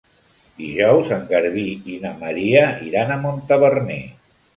Dijous en Garbí i na Maria iran a Montaverner.